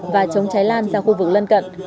và chống cháy lan sang khu vực lân cận